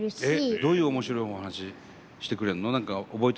どういうおもしろいお話してくれんの？